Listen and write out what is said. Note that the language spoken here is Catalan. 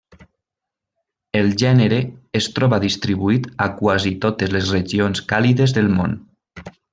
El gènere es troba distribuït a quasi totes les regions càlides del món.